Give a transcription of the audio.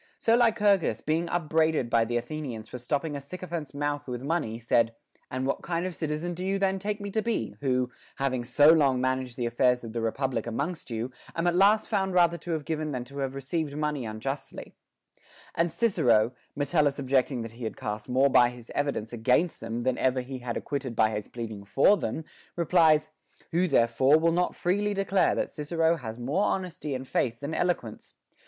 So Lycurgus, being upbraided by the Athenians for stop ping a sycophant's mouth with money, said : And what kind of citizen do you then take me to be, who, having so long managed the affairs of the republic amongst you, am at last found rather to have given than to have received, money unjustly \ And Cicero, Metellus objecting he had cast more by his evidence against them than ever he had ac quitted by his pleading for them, replies : Who therefore will not freely declare that Cicero has more honesty and faith than eloquence